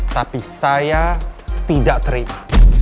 tapi saya tidak terima